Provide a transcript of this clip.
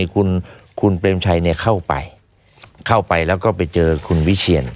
คุณเบรมชัยเข้าไปแล้วก็ไปเจอคุณวิเชียร